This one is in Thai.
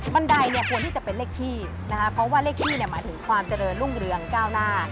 ันไดเนี่ยควรที่จะเป็นเลขขี้นะคะเพราะว่าเลขขี้เนี่ยหมายถึงความเจริญรุ่งเรืองก้าวหน้า